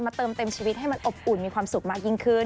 เติมเต็มชีวิตให้มันอบอุ่นมีความสุขมากยิ่งขึ้น